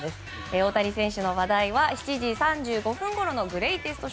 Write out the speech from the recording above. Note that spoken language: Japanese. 大谷選手の話題は７時３５分ごろのグレイテスト